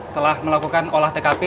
telah melakukan olah tkp